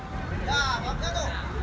ya bapak jatuh